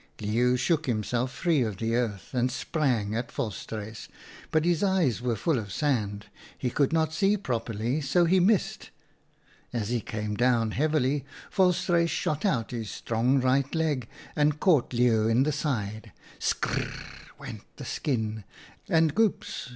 " Leeuw shook himself free of the earth and sprang at Volstruis, but his eyes were full of sand ; he could not see properly, so he missed. As he came down heavily, Vol struis shot out his strong right leg and WHO WAS KING? 39 caught Leeuw in the side. Sk r r r r! went the skin, and goops